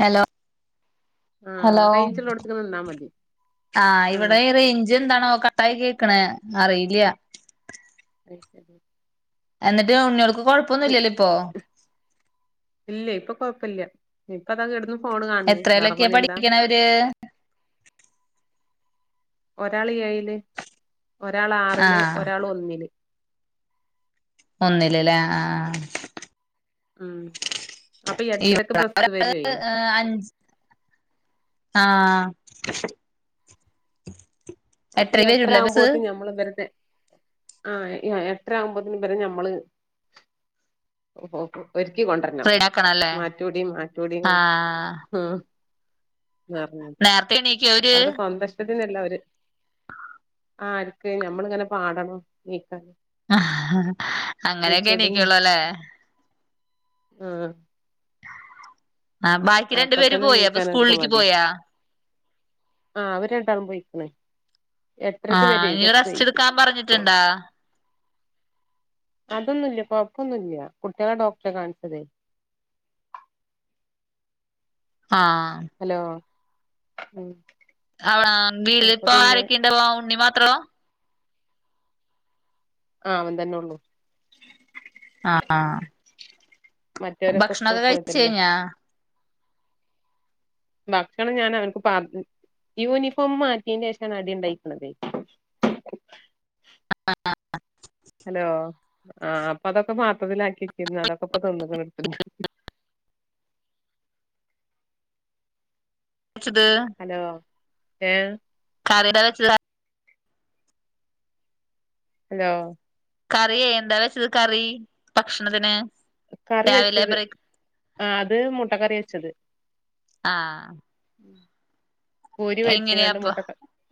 Hello ആഹ് hello റേഞ്ചിള്ളോട്ത്ത്ക്ക് നിന്നാ മതി ആ് ആഹ് ഇവിടെ ഈ റേഞ്ച് എന്താണാവോ കട്ട് യി കേക്കണ അറിയില്ലയ [unintelligible] എന്നിട്ട് ഉണ്ണികോൾക്ക് കൊഴപ്പൊന്ന ഇല്ലല്ലോ ഇപ്പോ ഇല്ല ഇപ്പൊ കൊഴപ്പില്ല ഇപ്പ ദാ കിടന്ന് ഫോണ് കാണന്ന് വേറെ പണി എന്താ എഎ ഒരാള് ഏഴില്, ഒരാള് ആറില്, ആഹ് ഒരാള് ഒന്നില് ഒന്നില്ലല്ലേ ആഹ് ഉം അപ്പൊ ഇവള് എട്ടരക്കെ ബസ്സ് വരുവേ അഞ്ച് ആഹ് അപ്പ ഈ എട്ടരക്ക് എട്ടര വരൂല്ലേ ബസ് ആകുമ്പോത്ത് ഞമ്മള് ഇവരുടെ ആഹ് എട്ടര ആകുമ്പതിന് ഇവരെ ഞമ്മള് ഒരുക്കി കൊണ്ടരണം റെഡി ആക്കണല്ലേ മാറ്റൂടീം മാറ്റൂടീം ആഹ് നിഞ്ഞട്ട നേരത്തെ എണീക്കോ അവര് അവരു സന്തോഷ്ടത്തിനല്ല അവര് ആർക്ക് നമ്മളിങ്ങനെ പാടണം നീക്കാന ആ അങ്ങനെയൊക്കെ എണക്കുള്ളൂ നീച്ചോ അല്ലേ ആഹ് ആഹ് ബാക്കി രണ്ടു അപ്പൊ പേര് തന്നെ പോയാ അപ്പൊ നീക്കാനക്കെ സ്കൂളിലേക്ക് മടിയ പോയാ ആഹ് അവര് രണ്ടാളും പോയിക്ക്ണ് എട്ടരക്ക് ആഹ് വര ഇനി ബസ റെസ്റ്റ് എടുക്കാൻ പറഞ്ഞിട്ടുണ്ടാ അതൊന്നുമ ഇല്ല കൊഴപ്പൊന്നുമില്ലല്ല കുട്ടികളെ ഡോക്ടറെ കാണിച്ചതേ ആഹ് ഹലോ അവവിടെ വീട്ടിൽ അപ്പൊ ഇപ്പ പിന്നെ ആരൊക്കെ ഇണ്ടവാ ഉണ്ണി മാത്രോ ഉള്ളോ ആഹ് അങ്ങൻതന്നെ ഉള്ളൂ ആഹ് ഹ മറ്റവരൊക്കെ ഭക്ഷണ സ്കൂൾ കഴിച്ച പോയതല്ലേ കഴിഞ്ഞാ ഭക്ഷണം ഞൻ അവർക്ക് [unintelligible] യൂണിഫോം മാറ്റിയന് ശേഷാണ് അടി ഉണ്ടായിരിക്കണുന്നത് ഹലോ ആഹ് അപ്പൊ അതൊക്കെ പാത്രത്തിലൽ ആക്കിക്കിരുന്നു അതൊക്കെ ഇപ്പൊ തിന്ന് കണൂ [unintelligible] ഹലോ ഏ ഹ് [unintelligible] വെച്ച ഹലോ കറി എന്താ വെച്ചത് കറി ഭക്ഷണത്തിന് കറി രാവിലെ വെച്ചത് ബ്രേക്ക് ആ അത് മുട്ട കറി വെച്ചത്. ആഹ് ഉം കോരി മരിച്ചാണ്ട് എങ്ങനെയാപ്പൊ മുട്ട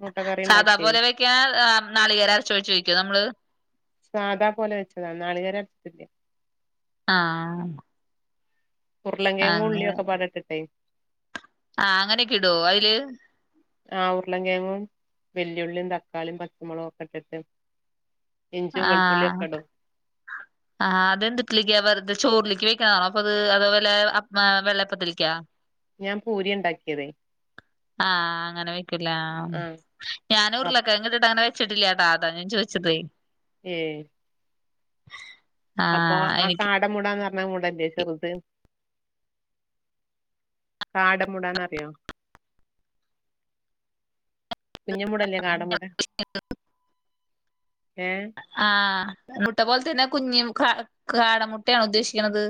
മുട്ട കറി സാദാ ഉണ്ടാക്കി. [unintelligible] നാളികേര ചോദിച്ചുോിക്കോ നമ്മള് സാധാ പോലെ വെച്ചതാ നാളികര അരച്ചില്ല ആഹ് ഉരുളങ്കയും ഉുള്ളിയും അങ്ങനെ ഒക്കെ പാടെ ഇട്ടിട്ടേ ആഹ് അങ്ങനെയൊക്കെ ഇടോ അതില് ആഹ് ഉരുളം കേേങ്ങും വെല്ലിയുളിയും തക്കാളിയും പച്ചമുളും ഒക്കെ ഇട്ടിട്ട് ഇഞ്ചിയും വെളുത്തുള്ളിയും ആഹ് ഒക്കെ ഇടും ആഹ് അതെന്തിട്ടിലേക്ക വെറ ചോറിലേക്ക് വെക്കണതാണോ അപ്പ അത് അതേപോലെ വെള്ളയപ്പത്തിലേക്കാ ഞാൻ പൂരി ഉണ്ടാക്കിയതേ ആഹ് അങ്ങന വെക്കുലേ അഹ് ആ ഞാന് ഉരുലൊക്കെങ്ങിട്ട അങ്ങനെച്ചിട്ടില്ലേട്ടാ ഞൻ ചോദിച്ചതേ ഏഹ് അപ്പൊ ആഹ് കാട മൂടാന്ന് പറഞ്ഞാ കൂടല്ലേ ചെറുത് കാടമൂടാന്നറിയോ കുഞ്ഞമൂട ല്ലെ കാടമൂട എഹ് ആഹ് മുട്ട പോലെ തന്നെ കുഞ്ഞി കാട മുുട്ടയാ ഉദ്ദേശിക്കണുന്നത്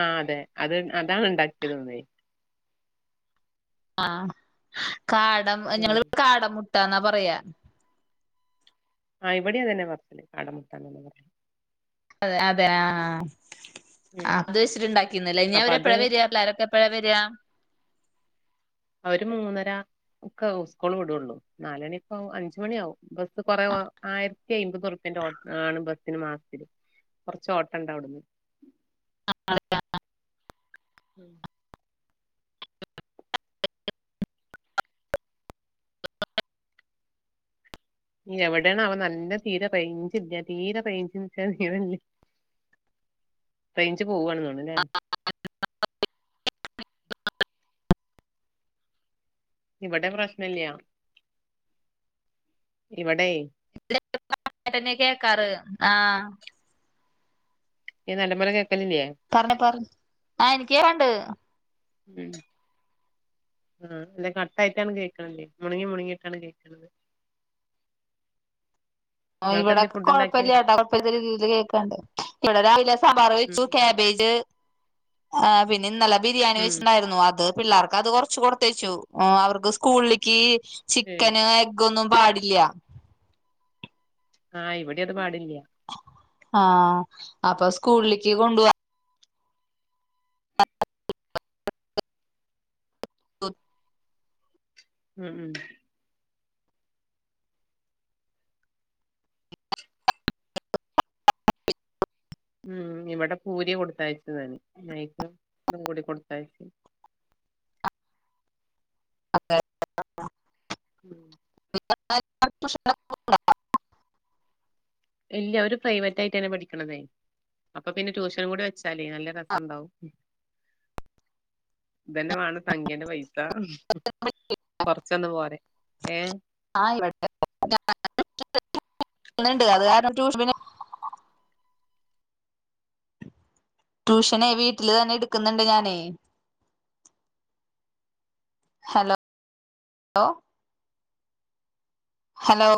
ആഹ് അതെ അത് അതാണ് ഉണ്ടാക്കിയത് ഇന്നെ ആഹ് കാടം ഉം ഞങ്ങിവിടെ കാട മുട്ടന്നാ പറയാ ആഹ് ഇവിടെയാാ തന്നെ പറച്ചല് കാടമുട്ട അതെ അതെ ആ ഉം അത് വെച്ചിട്ട്ണ്ടാക്കിയന്നലെ ഇഞ്ഞ് അവ അപ്പൊ അത് ര്എപ്പഴ വര്യ എല്ലാ രൊക്കെ എപ്പഴ വെര അവര് മൂന്നര ഒക്കെ സ്കൂൾ വിടുുള്ളൂ നാല മണിപ്പോ ആ അഞ്ച മണി ആവും ബസ്സ് കുറ ആയിരത്തി അമ്പതൂറുപ്പ്യന്റെ ആണ് ബസ്സ് ബസ്സിന് മാസത്തില് കുറച്ച് ഓട്ടം ണ്ട് വിടന്ന് ആ ഉം എവിടെയാണ് അവൻ നല്ല തീരെ റൈഞ്ചില്ല തീരെ റൈഞ്ചി ല്ല തീരെ ല്യ റൈഞ്ച് പോവാണ് തോണ് ന്ല്ലേ ആ [unintelligible] ഇവിടെ പ്രശ്നല്യ ഇവിടെ ന്നെ കേക്കാറ് ആഹ [unintelligible] ഈ നല്ല പോലെ കേക്കലില്ലേ പറഞ്ഞ പറ ആ് എനിക്കേ കേണ്ട് ഉം ആ അല്ല കട്ടായിട്ടാണ് കേൾക്കണല് മുങ്ങി മുണങ്ങിയിട്ടാണ് കേൾക്കണത് നിങ്ങൾക്ക് ഇവിടെ എന്തേ ഫുഡ് കൊഴപ്പമാ ഉണ്ടാക്കിയേ കേട്ടോ ക രീതിയിൽ കേൾക്കണ്ട് ഇവിടെ രാവിലെ സാമ്പാറ് വെച്ചു ഉം കാബേജ് ആ പിന്നെ ഇന്നലെ ബിരിയാണി ഉം വെച്ചിുണ്ടായിരുന്നു അത് പിള്ളേർക്ക് അത് കൊറച്ച് കൊടുത്തേച്ചു അവർക്ക് സ്കൂളിലേക്ക് ഏ ചിക്കന് എങ്കുംന്നും പാടില്ല ആഹ് ഇവിടെ അത് പാടില്ല ആഹ അപ്പൊ സ്കൂളിക്ക് കൊണ്ട പോ ഉം ഉം ഉം ഇവിടെ പൂരി കൊടുത്താഴ്ച്ച തന്നെ മൈക [unintelligible] തും കൂടി കൊടുത്താഴ്ച്ച അതെ മം [unintelligible] ഇല്ല അവര് പ്രൈവറ്റ് ആയിട്ടാണ് പഠിക്കണതേ അപ്പൊ പിന്നെ ട്യൂഷൻ കൂടി വെച്ചാലേ നല്ല രസം ഉണ്ടാവും ഇതന്നെ വേണം സംഖ്യൻ്റെ പൈസ കൊറച്ചൊന്ന് പോരെ ഏഹ ആഹ് ഇവിടെണ്ട് അത് കാരണം ൂഷ പിന്നെ [unintelligible] ട്യൂഷനെ വീട്ടില്ന്നെ എടുക്കുന്നുണ്ട് ഞാനേ ഹലോ ലോ ഹലോ